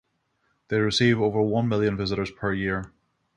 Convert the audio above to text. They receive over one million visitors per year.